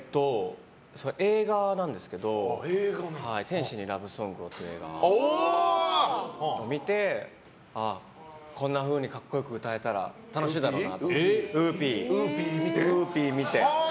映画なんですけど「天使にラブソングを」という映画を見てこんなふうに格好良く歌えたらウーピー見て？